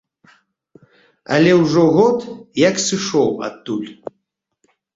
Але ўжо год як сышоў адтуль.